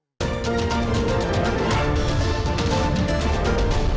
jokowi di lima tahun terakhir ini